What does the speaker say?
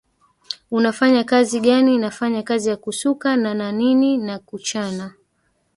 unafanya kazi gani nafanya kazi ya kusuka na na nini na kuchana